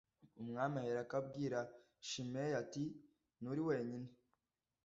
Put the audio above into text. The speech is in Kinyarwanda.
umwami aherako abwira shimeyi ati nturi wenyine